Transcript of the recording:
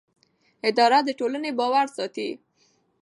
اداره د ټولنې باور ساتي.